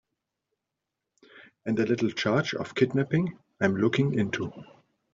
And a little charge of kidnapping I'm looking into.